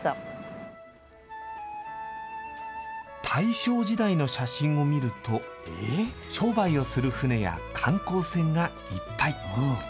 大正時代の写真を見ると、商売をする舟や、観光船がいっぱい。